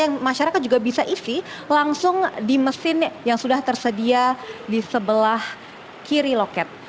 yang masyarakat juga bisa isi langsung di mesin yang sudah tersedia di sebelah kiri loket